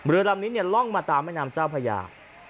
เรือลำนี้ล่องมาตามแม่น้ำเจ้าพญา